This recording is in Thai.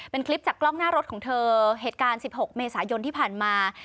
เป็นคลิปจากกล้องหน้ารถของเธอเหตุการณ์๑๖เมษายนที่ผ่านมา